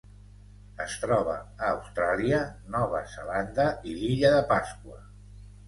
Es troba a Austràlia, Nova Zelanda i l'Illa de Pasqua.